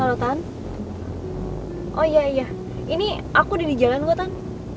oh iya iya ini aku udah di jalan gua tan